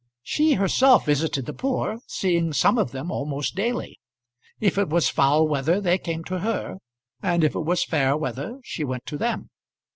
She herself visited the poor, seeing some of them almost daily. If it was foul weather they came to her, and if it was fair weather she went to them.